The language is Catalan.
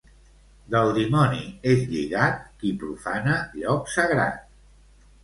Del dimoni és lligat qui profana lloc sagrat.